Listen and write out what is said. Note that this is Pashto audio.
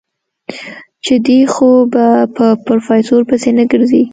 چې دی خو به په پروفيسر پسې نه ګرځي.